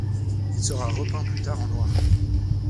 Il sera repeint plus tard en noir.